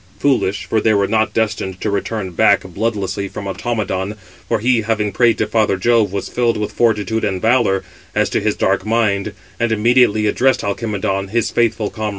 Foolish, 564 for they were not destined to return back bloodlessly from Automedon, for he, having prayed to father Jove, was filled with fortitude and valour, as to his dark mind, and immediately addressed Alcimedon, his faithful comrade: Footnote 564: (return) Cf.